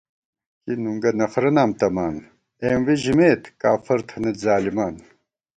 کی نُنگہ نخرہ نام تمان، اېم وی ژِمېت کافر تھنَئیت ظالِمان